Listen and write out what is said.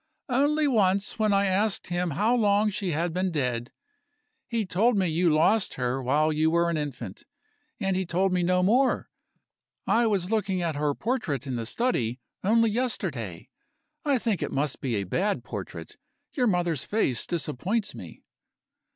"Only once, when I asked him how long she had been dead. He told me you lost her while you were an infant, and he told me no more. I was looking at her portrait in the study, only yesterday. I think it must be a bad portrait; your mother's face disappoints me."